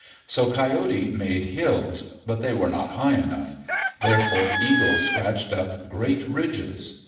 So Coyote made hills, but they were not high enough. Therefore Eagle scratched up great ridges.